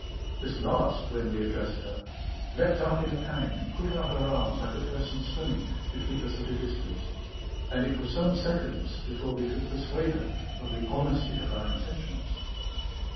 This last, when we addressed her, leaped up in a panic and put out her arms, like a person swimming, to keep us at a distance, and it was some seconds before we could persuade her of the honesty of our intentions.